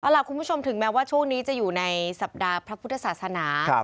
เอาล่ะคุณผู้ชมถึงแม้ว่าช่วงนี้จะอยู่ในสัปดาห์พระพุทธศาสนา